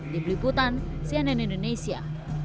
di peliputan cnn indonesia